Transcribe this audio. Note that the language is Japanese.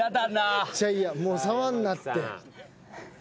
めっちゃ嫌もう触んなって。